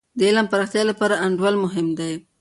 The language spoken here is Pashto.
د علم د پراختیا لپاره د انډول مهم دی.